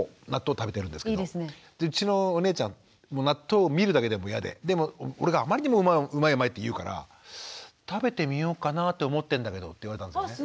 うちのお姉ちゃん納豆を見るだけでも嫌ででも俺があまりにも「うまいうまい」って言うから「食べてみようかなと思ってんだけど」って言われたんですね。